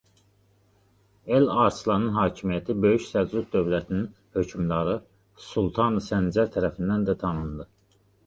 El Arslanın hakimiyyəti Böyük Səlcuq Dövlətinin hökmdarı Sultanı Səncər tərəfindən də tanındı.